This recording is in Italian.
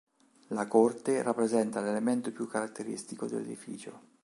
La corte rappresenta l'elemento più caratteristico dell'edificio.